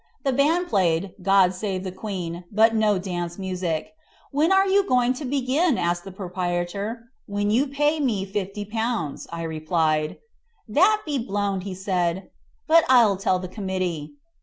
The band played "God Save the Queen;" but no dance music. "'When are you going to begin?" asked the proprietor. "When you pay me Ł50," I replied. "That be blowed," said he; "but I'll tell the committee."